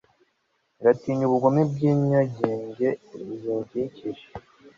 ngatinya ubugome bw'inyaryenge zinkikije